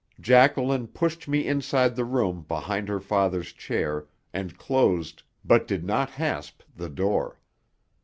Jacqueline pushed me inside the room behind her father's chair and closed, but did not hasp, the door.